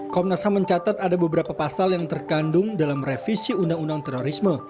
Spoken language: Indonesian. komnas ham mencatat ada beberapa pasal yang terkandung dalam revisi undang undang terorisme